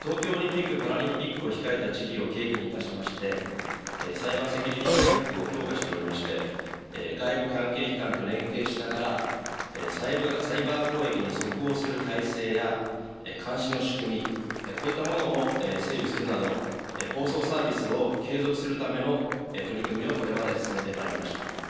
東京オリンピック・パラリンピックを控えた時期を契機にいたしまして、サイバーセキュリティ対策を強化しておりまして、外部関係機関と連携しながら、サイバー攻撃に即応する体制や、監視の仕組み、こういったものを整備するなど、放送サービスを継続するための取り組みをこれまで進めてまいりました。